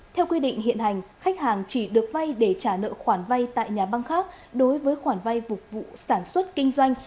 theo quy định hiện hành khách hàng chỉ được vay để trả nợ khoản vay tại nhà băng khác đối với khoản vay phục vụ sản xuất kinh doanh